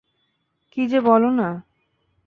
কী যে বলো না।